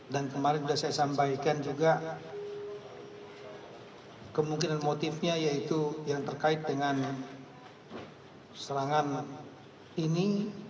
dan kemarin sudah saya sampaikan juga kemungkinan motifnya yaitu yang terkait dengan serangan ini